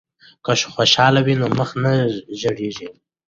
که خوشحالی وي نو مخ نه ژیړیږي.